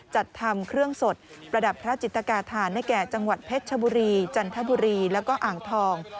จัดทำเครื่องสดประดับพระจิตกาธานให้แก่จังหวัดเพชรชบุรีจันทบุรีแล้วก็อ่างทอง